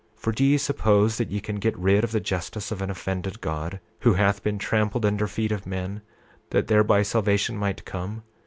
For do ye suppose that ye can get rid of the justice of an offended God, who hath been trampled under feet of men, that thereby salvation might come?